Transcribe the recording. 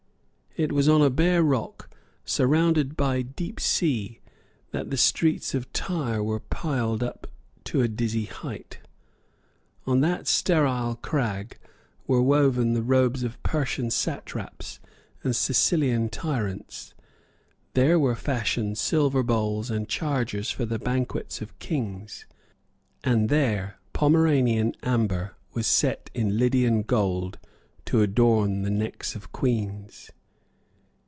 It was on a bare rock, surrounded by deep sea, that the streets of Tyre were piled up to a dizzy height. On that sterile crag were woven the robes of Persian satraps and Sicilian tyrants; there were fashioned silver bowls and chargers for the banquets of kings; and there Pomeranian amber was set in Lydian gold to adorn the necks of queens.